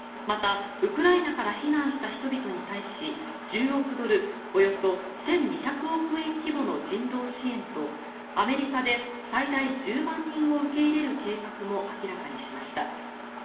また、ウクライナから避難した人々に対し１０億ドルおよそ１２００億円規模の人道支援とアメリカで最大１０万人を受け入れる計画も明らかにしました。